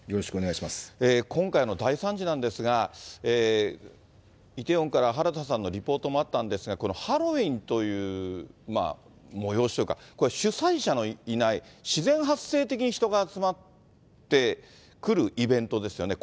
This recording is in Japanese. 今回の大惨事なんですが、イテウォンから原田さんのリポートもあったんですが、このハロウィーンという催しというか、主催者のいない、自然発生的に人が集まってくるイベントですよね。